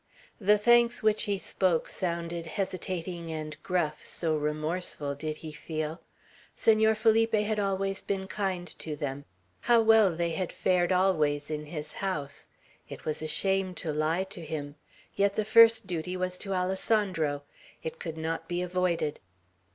The thanks which he spoke sounded hesitating and gruff, so remorseful did he feel. Senor Felipe had always been kind to them. How well they had fared always in his house! It was a shame to lie to him; yet the first duty was to Alessandro. It could not be avoided.